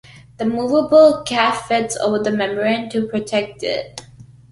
A movable cap fits over the membrane to protect it.